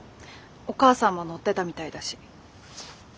お母さんも乗ってたみたいだし。